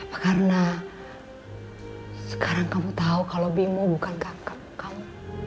apa karena sekarang kamu tahu kalau bimo bukan kakakmu